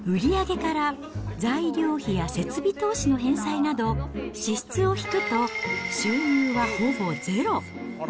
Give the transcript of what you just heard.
売り上げから材料費や設備投資の返済など、支出を引くと、収入はほぼゼロ。